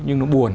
nhưng nó buồn